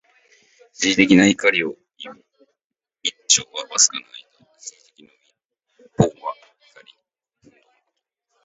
一時的な怒りをいう。「一朝」はわずかな間。一時的の意。「忿」は、怒り、憤怒のこと。